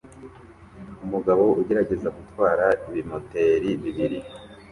Umugabo ugerageza gutwara ibimoteri bibiri